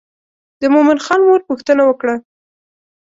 د مومن خان مور پوښتنه وکړه.